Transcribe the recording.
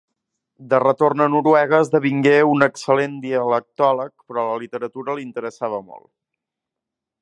De retorn a Noruega esdevingué un excel·lent dialectòleg, però la literatura li interessava molt.